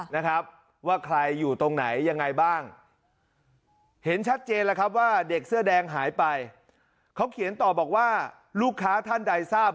นะครับว่าใครอยู่ตรงไหนยังไงบ้าง